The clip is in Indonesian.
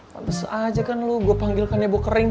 pantes aja kan lo gue panggil kanebo kering